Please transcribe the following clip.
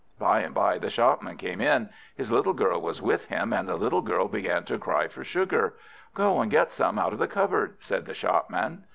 By and by the shopman came in; his little girl was with him, and the little girl began to cry for sugar. "Go and get some out of the cupboard," said the shopman.